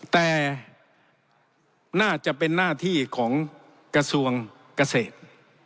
แต่น่าจะเป็นหน้าที่ของกระทรวงเกษตร